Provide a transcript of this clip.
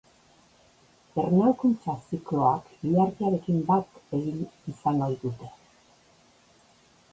Ernalkuntza zikloak ilargiarekin bat egin ohi dute.